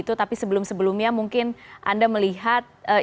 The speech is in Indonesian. kalau kata kata soal mungkin bisa anda tuangkan juga di lukisan pada kajian wacana